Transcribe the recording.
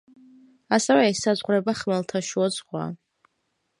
ასევე ესაზღვრება ხმელთაშუა ზღვა.